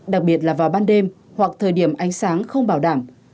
đặc biệt là vào ban đêm hoặc thời điểm ánh sáng không bảo đảm